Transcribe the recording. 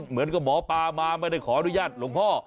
เหมือนกับหมอป้ามาไม่ได้ขออนุญาตหลวงพ่อ